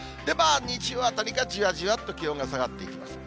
日曜あたりがじわじわっと気温が下がっていきます。